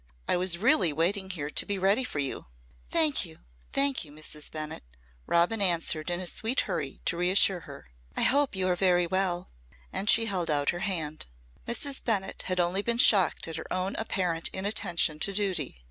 I was really waiting here to be ready for you." "Thank you. Thank you, Mrs. Bennett," Robin answered in a sweet hurry to reassure her. "I hope you are very well." And she held out her hand. Mrs. Bennett had only been shocked at her own apparent inattention to duty.